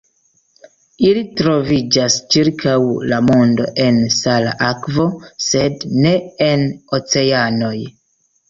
Ili troviĝas ĉirkaŭ la mondo en sala akvo, sed ne en oceanoj.